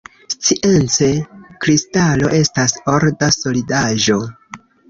Science, kristalo estas orda solidaĵo.